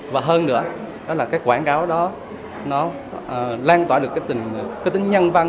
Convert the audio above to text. và hơn nữa đó là cái quảng cáo đó nó lan tỏa được cái tính nhân văn